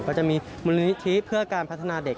ก็จะมีมูลนิธิเพื่อการพัฒนาเด็ก